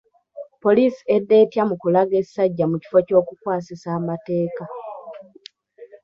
Poliisi edda etya mu kulaga essajja mu kifo ky’okukwasisa amateeka!